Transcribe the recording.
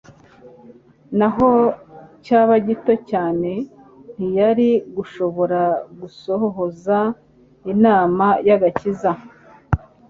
naho cyaba gito cyane. Ntiyari gushobora gusohoza inama y'agakiza.